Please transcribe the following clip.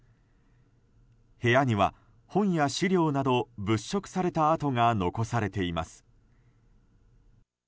部屋には本や資料など物色された跡が残されています。